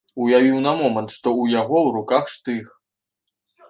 Уявіў на момант, што ў яго ў руках штых.